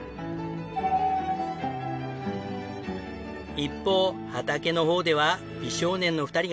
一方畑の方では美少年の２人が。